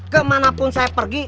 kemana pun saya pergi